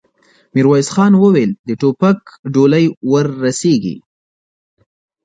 ميرويس خان وويل: د ټوپک ډولۍ ور رسېږي؟